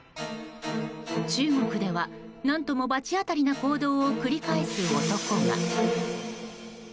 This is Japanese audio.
中国では、何とも罰当たりな行動を繰り返す男が。